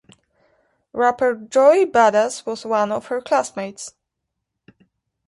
Rapper Joey Badass was one of her classmates.